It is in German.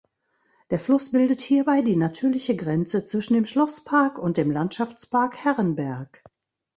Der Fluss bildet hierbei die natürliche Grenze zwischen dem Schlosspark und dem Landschaftspark Herrenberg.